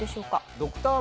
ドクターも